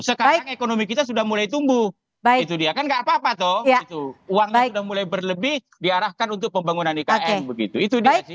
sekarang ekonomi kita sudah mulai tumbuh itu dia kan gak apa apa toh itu uangnya sudah mulai berlebih diarahkan untuk pembangunan ikn begitu itu dia sih